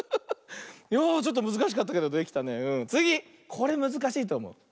これむずかしいとおもう。